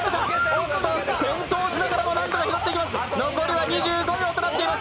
転倒しながらも何とか拾っていきます。